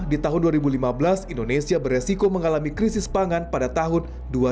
di tahun dua ribu lima belas indonesia beresiko mengalami krisis pangan pada tahun dua ribu dua